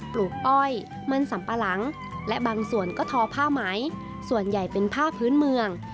ปลูกอ้อยมันสัมปะหลังและบางส่วนก็ทอผ้าไหมส่วนใหญ่เป็นผ้าพื้นเมือง